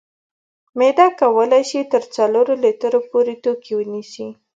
معده کولی شي تر څلورو لیترو پورې توکي ونیسي.